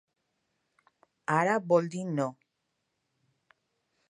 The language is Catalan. Ara vol dir no.